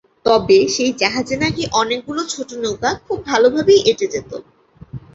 তবে সেই জাহাজে নাকি অনেকগুলো ছোট নৌকা খুব ভালোভাবেই এঁটে যেত।